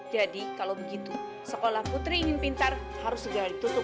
jadi kalau begitu sekolah putri ingin pintar harus segera ditutup